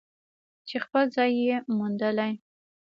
چې خپل ځای یې موندلی.